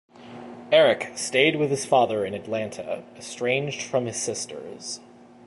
Eric stayed with his father in Atlanta, estranged from his sisters.